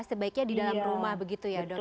sebaiknya di dalam rumah begitu ya dok